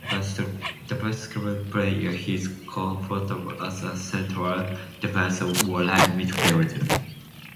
A versatile player, he is comfortable as a central, defensive or right midfielder.